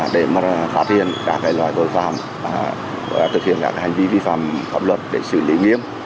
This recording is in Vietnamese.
để phát hiện các loại tội phạm và thực hiện các hành vi vi phạm pháp luật để xử lý nghiêm